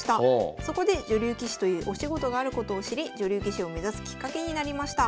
そこで女流棋士というお仕事があることを知り女流棋士を目指すきっかけになりました。